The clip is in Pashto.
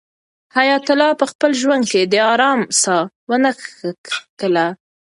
حیات الله په خپل ژوند کې د آرام ساه ونه کښله.